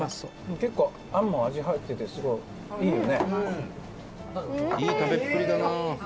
「結構餡も味入っててすごいいいよね」